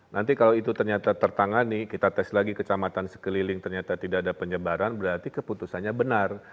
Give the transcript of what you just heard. nanti kalau itu ternyata tertangani kita tes lagi kecamatan sekeliling ternyata tidak ada penyebaran berarti keputusannya benar